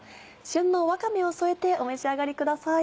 旬のわかめを添えてお召し上がりください。